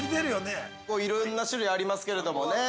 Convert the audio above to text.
◆いろんな種類ありますけれどもね。